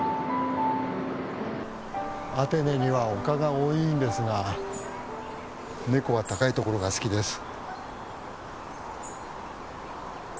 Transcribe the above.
アテネには丘が多いんですがネコは高い所が好きです。